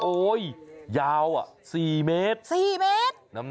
โอ้โฮยายมาก